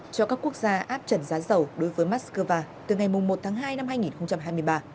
cho các quốc gia áp trần giá dầu đối với moscow từ ngày một tháng hai năm hai nghìn hai mươi ba